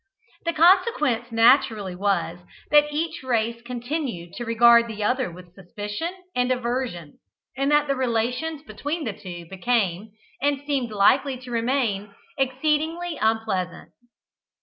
The consequence naturally was, that each race continued to regard the other with suspicion and aversion; and that the relations between the two became, and seemed likely to remain, exceedingly unpleasant.